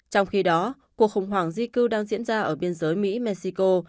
trong khi đó cuộc khủng hoảng di cư đang diễn ra ở biên giới mỹ mexico